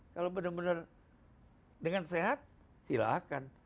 kalau benar benar dengan sehat silahkan